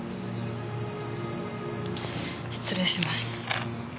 失礼します。